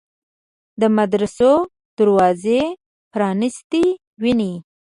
د مدرسو دروازې پرانیستې ویني.